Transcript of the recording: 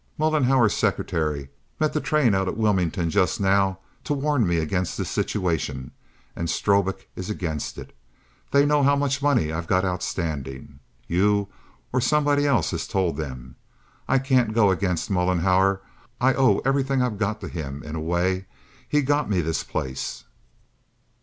Mollenhauer's secretary met the train out at Wilmington just now to warn me against this situation, and Strobik is against it. They know how much money I've got outstanding. You or somebody has told them. I can't go against Mollenhauer. I owe everything I've got to him, in a way. He got me this place."